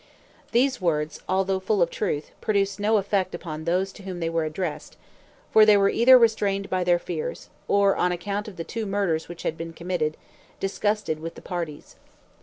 These words, although full of truth, produced no effect upon those to whom they were addressed; for they were either restrained by their fears, or, on account of the two murders which had been committed, disgusted with the parties.